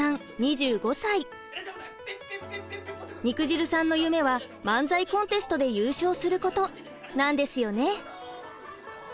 肉汁さんの夢は漫才コンテストで優勝することなんですよね。